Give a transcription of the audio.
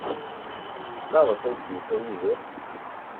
Maɣef ay d-yusa Yidir?